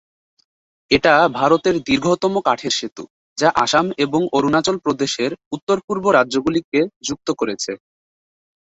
এটা ভারতের দীর্ঘতম কাঠের সেতু যা আসাম এবং অরুণাচল প্রদেশের উত্তর-পূর্ব রাজ্যগুলিকে যুক্ত করেছে।